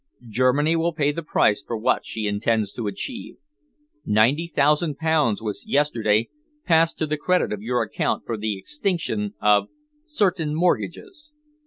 Germany will pay the price for what she intends to achieve. Ninety thousand pounds was yesterday passed to the credit of your account for the extinction of certain mortgages.